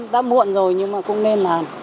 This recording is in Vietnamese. đã muộn rồi nhưng mà cũng nên làm